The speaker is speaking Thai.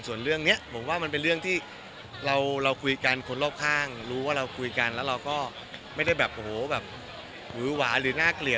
ส่วนเรื่องนี้ผมว่ามันเป็นเรื่องที่เราคุยกันคนรอบข้างรู้ว่าเราคุยกันแล้วเราก็ไม่ได้แบบโอ้โหแบบหวือหวาหรือน่าเกลียด